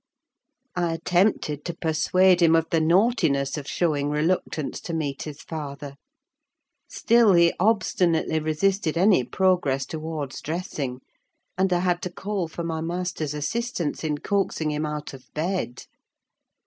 I attempted to persuade him of the naughtiness of showing reluctance to meet his father; still he obstinately resisted any progress towards dressing, and I had to call for my master's assistance in coaxing him out of bed.